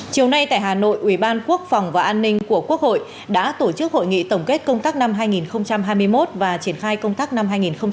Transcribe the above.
chiều nay tại hà nội ủy ban quốc phòng và an ninh của quốc hội đã tổ chức hội nghị tổng kết công tác năm hai nghìn hai mươi một và triển khai công tác năm hai nghìn hai mươi bốn